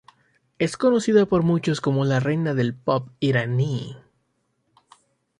Es conocida por muchos como la reina del pop iraní.